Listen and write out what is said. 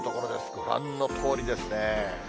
ご覧のとおりですね。